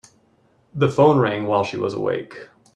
The phone rang while she was awake.